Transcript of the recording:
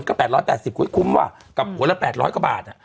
ก็๘๘๐คุ้มว่ะกับหัวละ๘๐๐กว่าบาท